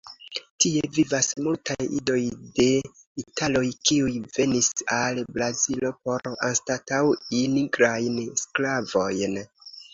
Tie vivas multaj idoj de italoj, kiuj venis al Brazilo por anstataŭi nigrajn sklavojn.